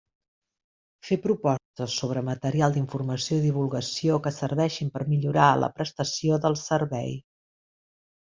Fer propostes sobre material d'informació i divulgació que serveixin per millorar la prestació del servei.